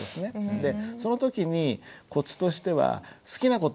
でその時にコツとしては「好きなコト」